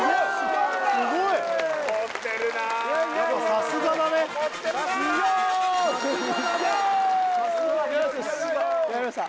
さすがやりました